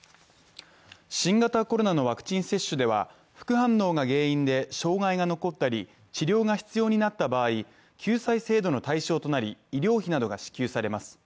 新型コロナのワクチン接種では、副反応が原因で障害が残ったり治療が必要になった場合、救済制度の対象となり、医療費などが支給されます。